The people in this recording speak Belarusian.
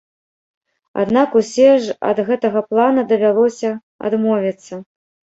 Аднак усе ж ад гэтага плана давялося адмовіцца.